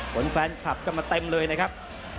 แฟนคลับก็มาเต็มเลยนะครับ